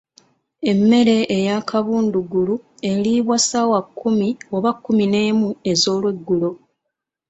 Emmere eyakabundugulu eriibwa ssaawa kkumi oba kumineemu ezoolweggulo.